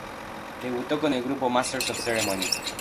Debutó con el grupo Masters of Ceremony.